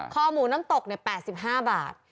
คอหมูน้ำตก๘๕บาท